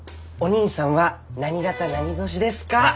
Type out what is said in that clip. お兄さんは何型何年ですか？